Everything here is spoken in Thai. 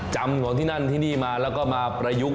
จำของที่นั่นที่นี่มาแล้วก็มาประยุกต์